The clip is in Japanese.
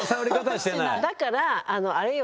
だからあれよ。